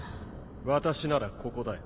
・私ならここだよ。